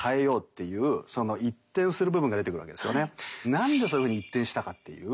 何でそういうふうに一転したかっていう。